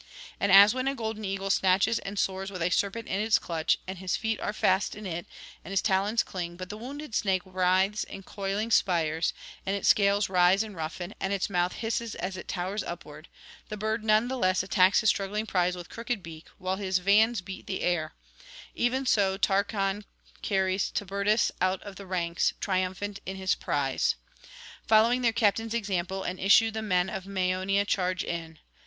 And, as when a golden eagle snatches and soars with a serpent in his clutch, and his feet are fast in it, and his talons cling; but the wounded snake writhes in coiling spires, and its scales rise and roughen, and its mouth hisses as it towers upward; the bird none the less attacks his struggling prize with crooked beak, while his vans beat the air: even so Tarchon carries Tiburtus out of the ranks, triumphant in his prize. Following their captain's example and issue the men of Maeonia charge in.